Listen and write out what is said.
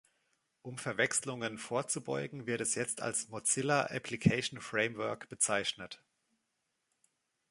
Um Verwechslungen vorzubeugen wird es jetzt als Mozilla Application Framework bezeichnet.